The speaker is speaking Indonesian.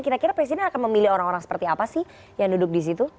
kira kira presiden akan memilih orang orang seperti apa sih yang duduk di situ